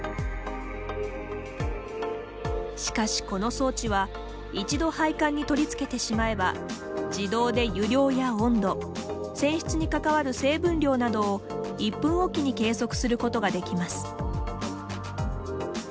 しかし、この装置は一度配管に取り付けてしまえば自動で湯量や温度泉質に関わる成分量などを１分おきに計測することができます。